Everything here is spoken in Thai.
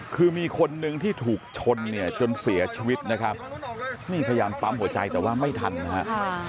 คือมีคนนึงที่ถูกชนเนี่ยจนเสียชีวิตนะครับนี่พยายามปั๊มหัวใจแต่ว่าไม่ทันนะครับ